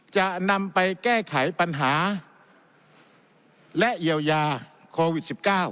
จะนำไปแก้ไขปัญหาและเยียวยาโควิด๑๙